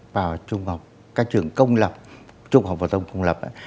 vào trung học các trường công lập trung học phổ thông công lập